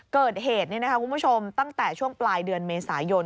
เกิดเหตุคุณผู้ชมตั้งแต่ช่วงปลายเดือนเมษายน